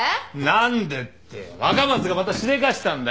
何でって若松がまたしでかしたんだよ。